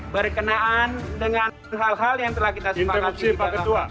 berkenaan dengan hal hal yang telah kita sepakatkan